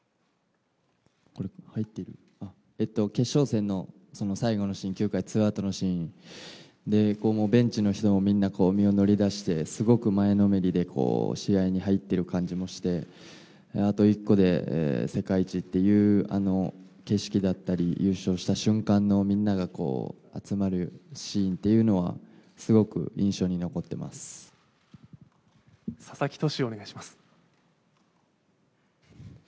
決勝戦の最後のシーン、９回ツーアウトのシーン、もうベンチの人もみんな身を乗り出して、すごく前のめりで試合に入ってる感じもして、あと１個で世界一っていう、あの景色だったり、優勝した瞬間のみんながこう、集まるシーンっていうのは、佐々木投手、お願いします。